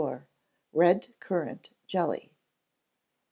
Red Currant Jelly.